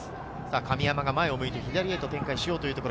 神山が前を向いて左へと展開しようというところ。